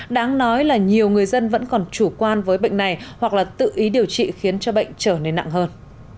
đáng nói là nhiều người dân vẫn còn chủ quan với bệnh này hoặc là tự ý điều trị khiến cho bệnh trở nên nặng hơn